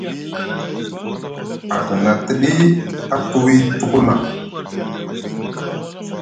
A hina tiɗi a tuwi tuku na.